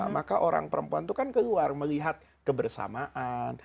maka orang perempuan itu kan keluar melihat kebersamaan